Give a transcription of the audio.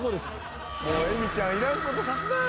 もう恵美ちゃんいらんことさすなよ。